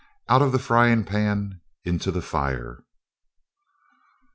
OUT OF THE FRYING PAN INTO THE FIRE.